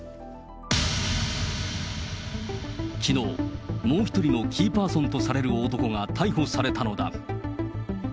きのう、もう一人のキーパーソンとされる男が逮捕されたのだ。